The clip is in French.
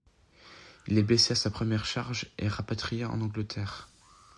Il est blessé à sa première charge et rapatrié en Angleterre.